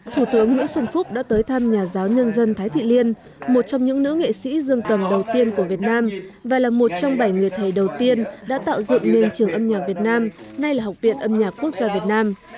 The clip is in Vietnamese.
thủ tướng nguyễn xuân phúc đã tới thăm nhà giáo nhân dân thái thị liên một trong những nữ nghệ sĩ dương cầm đầu tiên của việt nam và là một trong bảy người thầy đầu tiên đã tạo dựng nên trường âm nhạc việt nam nay là học viện âm nhạc quốc gia việt nam